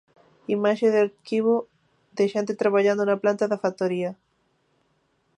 Imaxe de arquivo de xente traballando na planta da factoría.